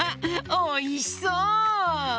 おいしそう！